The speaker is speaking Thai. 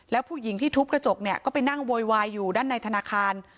แล้วผู้หญิงที่ทุบกระจกเนี่ยก็ไปนั่งโวยวายอยู่ด้านในธนาคาร